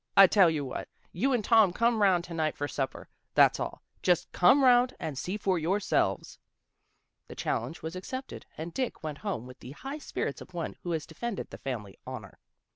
I tell you what! You and Tom come 'round to night to supper. That's all. Just come 'round and see for yourselves." The challenge was accepted, and Dick went home with the high spirits of one who has de fended the family honor.